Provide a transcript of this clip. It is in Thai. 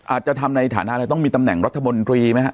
อาจจะทำในฐานะอะไรต้องมีตำแหน่งรัฐมนตรีไหมฮะ